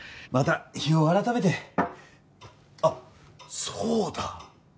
また日を改めてあっそうだ